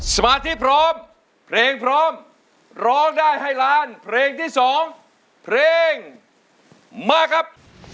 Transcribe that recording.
สมาธิพร้อมเพลงพร้อมร้องได้ให้ล้านเพลงที่๒เพลงมาครับ